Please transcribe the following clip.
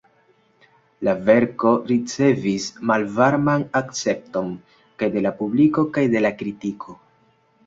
La verko ricevis malvarman akcepton, kaj de la publiko kaj de la kritiko.